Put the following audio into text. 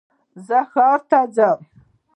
زه ښار ته ځم